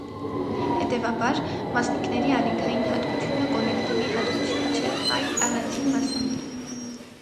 Հետևաբար, մասնիկների ալիքային հատկությունը կոլեկտիվի հատկությունը չէ, այլ՝ առանձին մասնիկի։